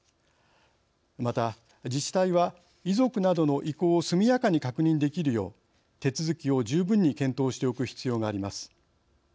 また自治体は遺族などの意向を速やかに確認できるよう手続きを十分に検討しておく必要があります。